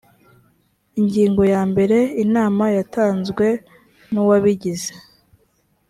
ingingo ya mbere inama yatanzwe n uwabigize